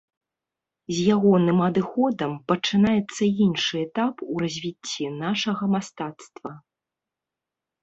З ягоным адыходам пачынаецца іншы этап у развіцці нашага мастацтва.